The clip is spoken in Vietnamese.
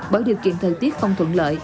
bởi điều kiện thời tiết không thuận lợi